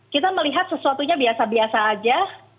kita melihat sesuatunya biasa biasa aja